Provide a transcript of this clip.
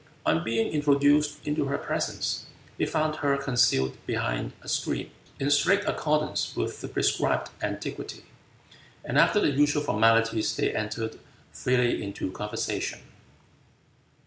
On being introduced into her presence, he found her concealed behind a screen, in strict accordance with the prescribed etiquette, and after the usual formalities they entered freely into conversation.